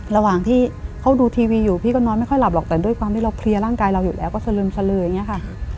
ระหว่างที่เขาดูทีวีอยู่พี่ก็นอนไม่ค่อยหลับหรอกแต่ด้วยความที่เราเคลียร์ร่างกายเราอยู่แล้วก็สลึมสลืออย่างนี้ค่ะ